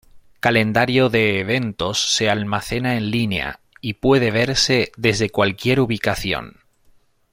Calendario de eventos se almacena en línea y puede verse desde cualquier ubicación.